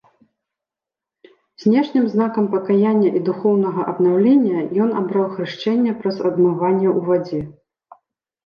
Знешнім знакам пакаяння і духоўнага абнаўлення ён абраў хрышчэнне праз абмыванне ў вадзе.